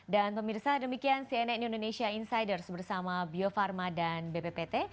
dan pemirsa demikian cnn indonesia insider bersama bio farma dan bppt